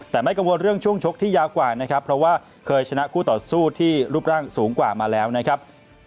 แต่ไม่กังวลเรื่องช่วงชกที่ยาวกว่านะครับเพราะว่าเคยชนะคู่ต่อสู้ที่รูปร่างสูงกว่ามาแล้วนะครับ